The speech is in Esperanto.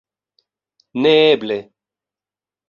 Neeble!